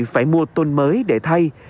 phải mua tôn mới để thay